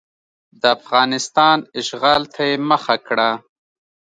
د افغانستان اشغال ته یې مخه کړه.